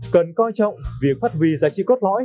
cần coi trọng việc phát huy giá trị cốt lõi